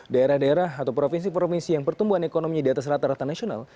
daerah daerah atau provinsi provinsi yang pertumbuhan ekonominya di atas rata rata nasional